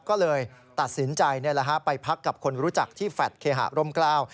ก็เลยตัดสินใจไปพักกับคนรู้จักที่แฟลตเคหะร่มกล้าว